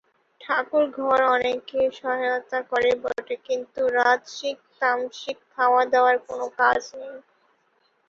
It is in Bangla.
ঠাকুরঘর অনেকের সহায়তা করে বটে, কিন্তু রাজসিক তামসিক খাওয়া-দাওয়ার কোন কাজ নাই।